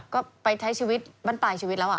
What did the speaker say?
ก็ไปใช้ชีวิตบ้านปลายชีวิตแล้ว